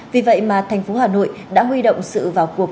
vì vậy mà thành phố hà nội đã huy động sự vào cuộc